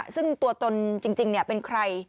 ซึ่งตัวตนจริงเป็นใคร